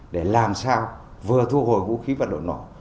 để làm sao vừa thu hồi vũ khí vận động nổ